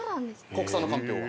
国産のかんぴょうは。